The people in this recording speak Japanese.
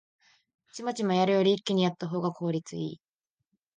チマチマやるより一気にやったほうが効率いい